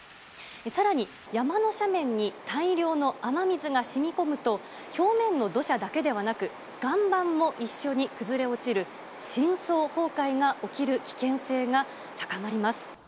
さらに山の斜面に大量の雨水がしみこむと、表面の土砂だけではなく、岩盤も一緒に崩れ落ちる深層崩壊が起きる危険性が高まります。